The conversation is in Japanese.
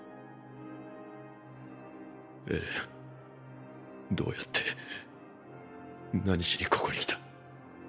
エレンどうやって何しにここに来た？